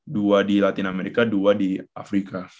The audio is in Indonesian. dua di latin amerika dua di afrika